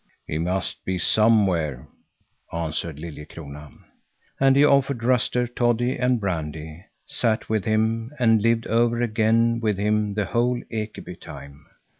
"He must be somewhere," answered Liljekrona. And he offered Ruster toddy and brandy, sat with him, and lived over again with him the whole Ekeby time.